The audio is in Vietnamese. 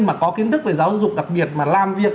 mà có kiến thức về giáo dục đặc biệt mà làm việc